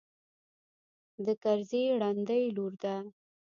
د کرزي رنډۍ لور ده.